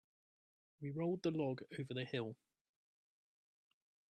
We rolled the log over the hill.